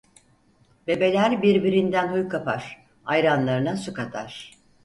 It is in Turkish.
Bebeler birbirinden huy kapar, ayranlarına su katar.